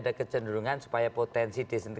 dan itu tuh maksuannya ya waktu satu satu